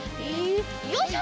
よいしょ。